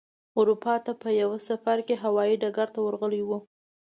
اروپا ته په یوه سفر کې هوايي ډګر ته ورغلی و.